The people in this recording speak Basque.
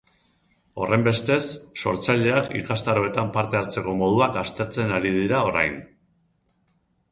Horrenbestez, sortzaileak ikastaroetan parte hartzeko moduak aztertzen ari dira orain.